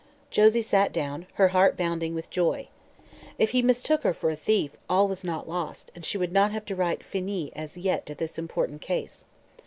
Josie sat down, her heart bounding with joy. If he mistook her for a thief all was not lost and she would not have to write "finis" as yet to this important case.